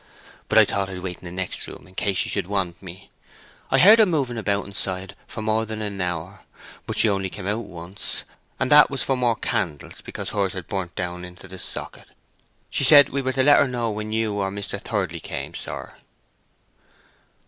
But I thought I'd wait in the next room in case she should want me. I heard her moving about inside for more than an hour, but she only came out once, and that was for more candles, because hers had burnt down into the socket. She said we were to let her know when you or Mr. Thirdly came, sir."